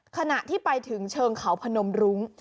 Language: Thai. ขณะที่ไปถึงเชิงเขาพนมรุ้ง